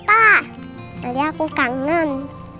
tadi aku kangen